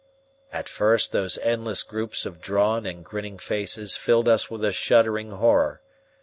At first those endless groups of drawn and grinning faces filled us with a shuddering horror.